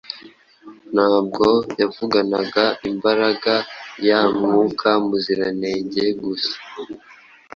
Ntabwo yavuganaga imbaraga ya Mwuka Muziranenge gusa,